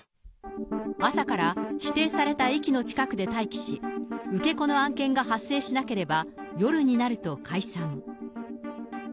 朝から指定された駅の近くで待機し、受け子の案件が発生しなければ、夜になると解散。